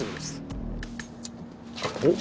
おっ？